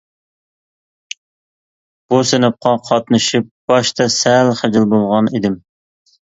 بۇ سىنىپقا قاتنىشىپ باشتا سەل خىجىل بولغان ئىدىم.